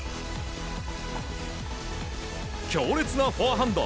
強烈なフォアハンド。